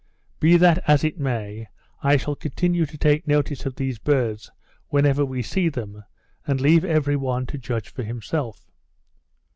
Be this as it may, I shall continue to take notice of these birds whenever we see them, and leave every one to judge for himself.